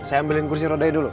saya ambilin kursi rodai dulu